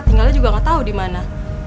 tinggalnya juga nggak tahu di mana